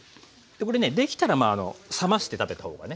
これねできたら冷まして食べた方がね